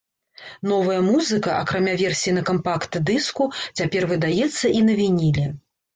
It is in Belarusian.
Новая музыка, акрамя версіі на кампакт-дыску, цяпер выдаецца і на вініле.